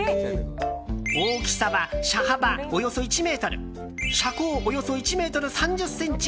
大きさは、車幅およそ１ｍ車高およそ１ｍ３０ｃｍ。